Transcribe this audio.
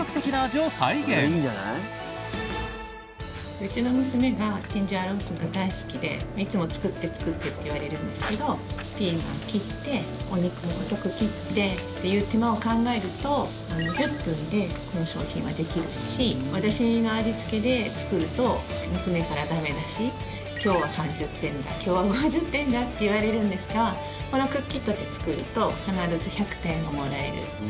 うちの娘がチンジャオロースが大好きでいつも作って作ってって言われるんですけどピーマン切ってお肉を細く切ってっていう手間を考えると１０分でこの商品はできるし私の味付けで作ると娘から駄目出し今日は３０点だ今日は５０点だって言われるんですがこのＣｏｏＫｉｔで作ると必ず１００点をもらえる。